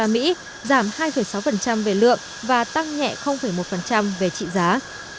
giảm hai sáu về lượng và tăng nhẹ một về trị giá